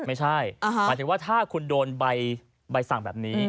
หมายถึงว่าถ้าคุณโดนใบสั่งแบบนี้